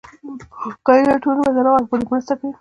خیریه ټولنې به تر هغه وخته پورې مرستې کوي.